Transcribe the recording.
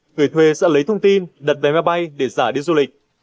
người thuê sẽ lấy thông tin đặt vé máy bay để giả đi du lịch